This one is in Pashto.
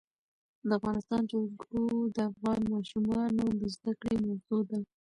د افغانستان جلکو د افغان ماشومانو د زده کړې موضوع ده.